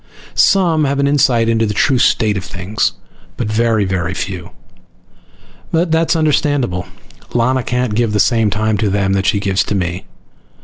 Some have an insight into the true state of things, but very very few. But that is understandable. Lana can't give the same time to them that she gives to me.